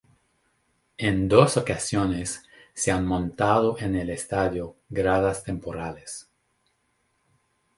En dos ocasiones se han montado en el estadio gradas temporales.